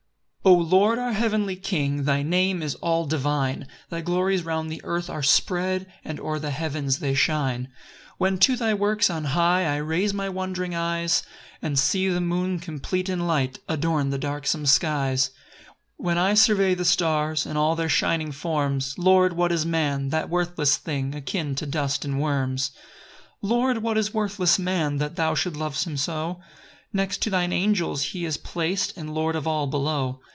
1 O Lord, our heavenly King, Thy name is all divine; Thy glories round the earth are spread, And o'er the heavens they shine. 2 When to thy works on high I raise my wondering eyes, And see the moon complete in light Adorn the darksome skies: 3 When I survey the stars, And all their shining forms, Lord, what is man, that worthless thing, Akin to dust and worms? 4 Lord, what is worthless man, That thou shouldst love him so? Next to thine angels he is plac'd, And lord of all below.